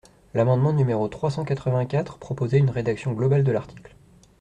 L’amendement numéro trois cent quatre-vingt-quatre proposait une rédaction globale de l’article.